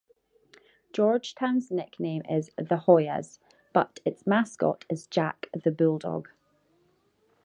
Georgetown's nickname is The Hoyas, but its mascot is Jack the Bulldog.